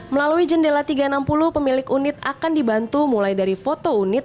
melalui jendela tiga ratus enam puluh pemilik unit akan dibantu mulai dari foto unit